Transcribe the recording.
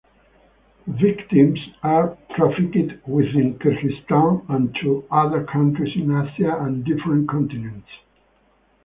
Victims are trafficked within Kyrgyzstan and to other countries in Asia and different continents.